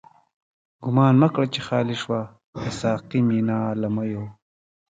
گومان مکړه چی خالی شوه، د ساقی مینا له میو